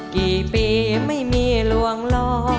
กี่ปีไม่มีลวงล้อ